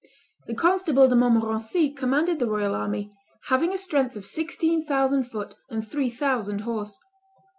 The Constable de Montmorency commanded the royal army, having a strength of sixteen thousand foot and three thousand horse.